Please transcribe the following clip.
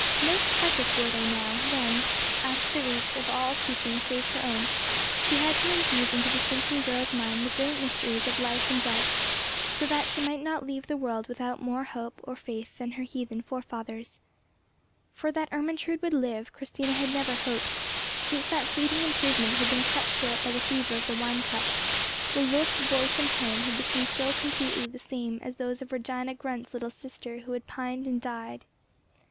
Most precious were they now, when, out of the reach of all teaching save her own, she had to infuse into the sinking girl's mind the great mysteries of life and death, that so she might not leave the world without more hope or faith than her heathen forefathers. For that Ermentrude would live Christina had never hoped, since that fleeting improvement had been cut short by the fever of the wine cup; the look, voice, and tone had become so completely the same as those of Regina Grundt's little sister who had pined and died.